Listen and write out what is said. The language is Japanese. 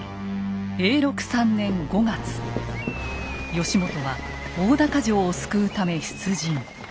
義元は大高城を救うため出陣。